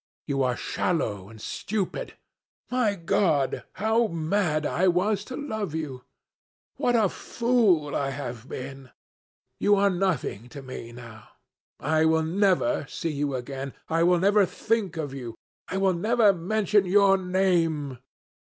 You are shallow and stupid. My God! how mad I was to love you! What a fool I have been! You are nothing to me now. I will never see you again. I will never think of you. I will never mention your name.